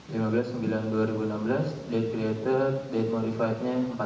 hai hai hai lima belas sembilan dua ribu enam belas di twitter demo live nya empat belas sembilan dua ribu enam belas